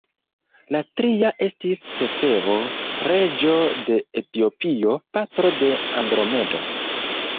La tria estis Cefeo, reĝo de Etiopio, patro de Andromedo.